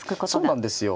そうなんですよ。